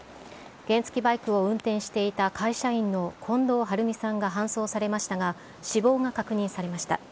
原付きバイクを運転していた、会社員の近藤晴美さんが搬送されましたが、死亡が確認されました。